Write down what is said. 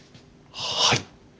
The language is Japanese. はい。